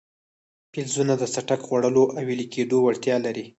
فلزونه د څټک خوړلو او ویلي کېدو وړتیا لري.